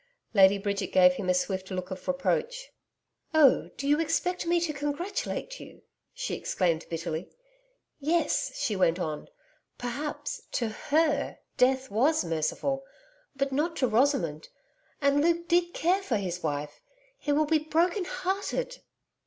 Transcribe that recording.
Lady Bridget gave him a swift look of reproach. 'Oh, do you expect me to congratulate you?' she exclaimed bitterly. 'Yes,' she went on, 'perhaps, to HER Death was merciful but not to Rosamond. And Luke did care for his wife. He will be broken hearted.'